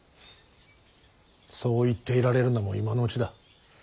そう言っていられるのも今のうちだ。